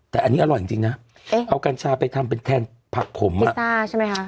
แต่อันนี้อร่อยจริงนะเอากัญชาไปทำเป็นแทนผักผมอ่ะซ่าใช่ไหมคะ